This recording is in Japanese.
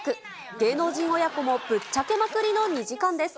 芸能人親子もぶっちゃけまくりの２時間です。